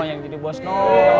nah yang jadi bos no